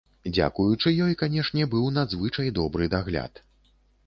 Дзякуючы ёй, канешне, быў надзвычай добры дагляд.